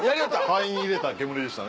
肺に入れた煙でしたね。